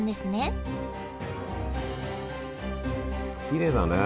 きれいだね。